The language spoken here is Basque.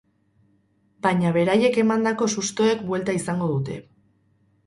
Baina beraiek emandako sustoek buelta izango dute.